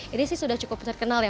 ini sih sudah cukup terkenal ya